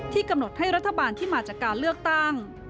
กำหนดให้รัฐบาลที่มาจากการเลือกตั้ง